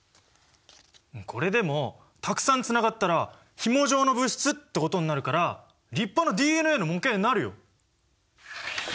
これでもたくさんつながったらひも状の物質ってことになるから立派なＤＮＡの模型になるよ。